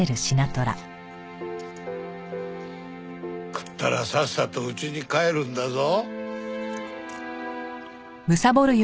食ったらさっさと家に帰るんだぞ。